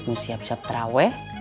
mau siap siap traweh